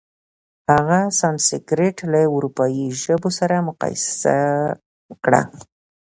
هغه سانسکریت له اروپايي ژبو سره مقایسه کړه.